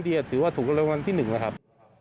เดี๋ยวถือว่าถูกกำลังวันที่๑นะครับ